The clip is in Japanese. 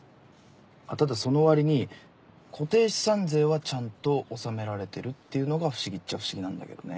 ただその割に固定資産税はちゃんと納められてるっていうのが不思議っちゃ不思議なんだけどね。